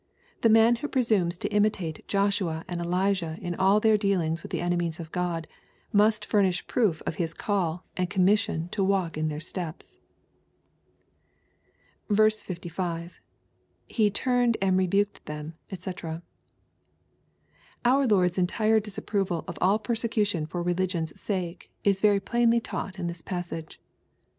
The man who presumes to imitate Joshua and Elijah in all iheir dealings with the enemies of Q od, must furnish proof of his call and commission to walk in their steps. $5. — [He fwmed and rebuked them, cfcc] Our Lord's entire disap proval of all persecution for religion's sake is very plainly taught in this passage.